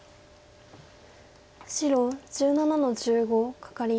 白１７の十五カカリ。